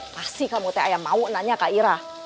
baksi kamu teh ayam mau nanya kak irah